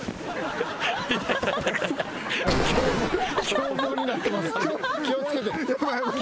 凶暴になってます。